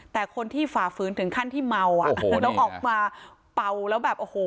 แต่คนที่ฝ่าฝืนถึงขั้นที่เมาอ่ะแล้วออกมาเป่าแล้วแบบโอ้โห